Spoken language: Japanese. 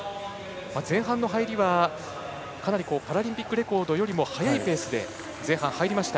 前半の入りはパラリンピックレコードよりも速いペースで前半、入りました。